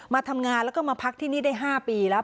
มาทำงานแล้วก็มาพักที่นี่ได้๕ปีแล้ว